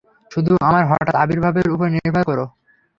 শুধু আমার হঠাত আবির্ভাবের উপর নির্ভর কোরো।